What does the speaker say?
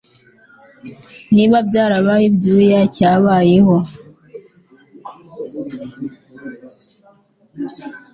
niba byarabaye ibyuya cyabayeho